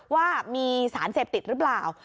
ว่ามีสารเสพติดหรือเปล่า